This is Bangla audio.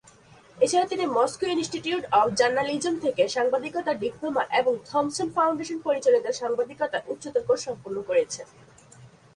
এছাড়া তিনি মস্কো ইনস্টিটিউট অব জার্নালিজম থেকে সাংবাদিকতায় ডিপ্লোমা ও থমসন ফাউন্ডেশন পরিচালিত সাংবাদিকতায় উচ্চতর কোর্স সম্পন্ন করেছেন।